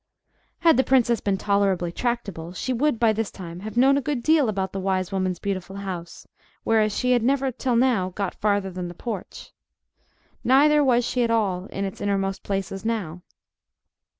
Had the princess been tolerably tractable, she would, by this time, have known a good deal about the wise woman's beautiful house, whereas she had never till now got farther than the porch. Neither was she at all in its innermost places now.